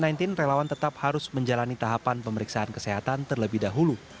relawan tetap harus menjalani tahapan pemeriksaan kesehatan terlebih dahulu